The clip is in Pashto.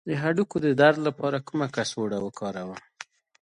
د هډوکو د درد لپاره کومه کڅوړه وکاروم؟